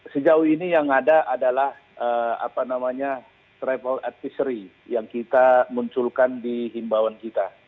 sejauh ini yang ada adalah travel advisory yang kita munculkan di himbawan kita